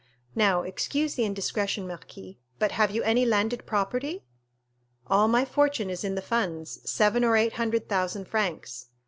Now, excuse the indiscretion, marquis, but have you any landed property?" "All my fortune is in the funds; seven or eight hundred thousand francs."